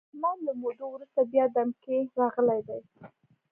احمد له مودو ورسته بیا دم کې راغلی دی.